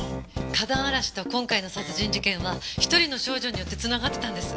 花壇荒らしと今回の殺人事件は１人の少女によって繋がってたんです。